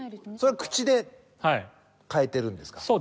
それは口で変えてるんですか？